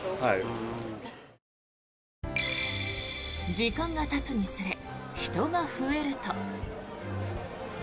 時間がたつにつれ人が増えると。